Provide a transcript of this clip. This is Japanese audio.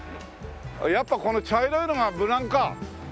やっぱこの茶色いのが無難か。